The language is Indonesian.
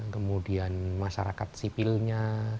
kemudian masyarakat sipilnya